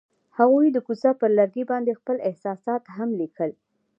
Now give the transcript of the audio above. هغوی د کوڅه پر لرګي باندې خپل احساسات هم لیکل.